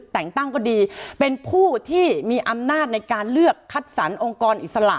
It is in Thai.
แต่งตั้งก็ดีเป็นผู้ที่มีอำนาจในการเลือกคัดสรรองค์กรอิสระ